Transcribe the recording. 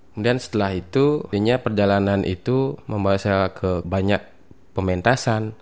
kemudian setelah itu kayaknya perjalanan itu membawa saya ke banyak pementasan